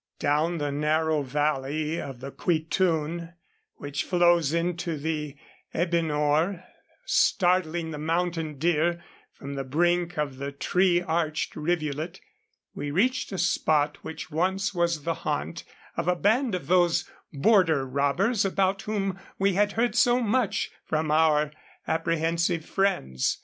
Down the narrow valley of the Kuitun, which flows into the Ebi nor, startling the mountain deer from the brink of the tree arched rivulet, we reached a spot which once was the haunt of a band of those border robbers about whom we had heard so much from our apprehensive friends.